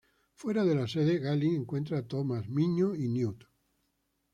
Fuera de la sede, Gally encuentra a Thomas, Minho y Newt.